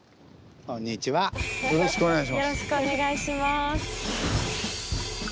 よろしくお願いします。